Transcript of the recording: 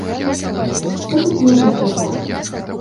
Што тут можна казаць?